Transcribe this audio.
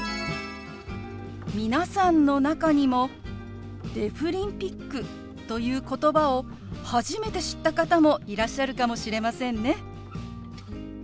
皆さんの中にも「デフリンピック」という言葉を初めて知った方もいらっしゃるかもしれませんね。